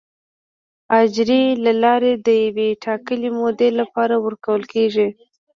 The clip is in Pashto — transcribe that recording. اجارې له لارې د یوې ټاکلې مودې لپاره ورکول کیږي.